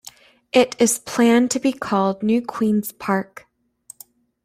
It is planned to be called New Queens Park.